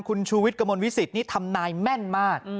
คุณชูวิทย์กระมวลวิสิตนี่ทำนายแม่นมาก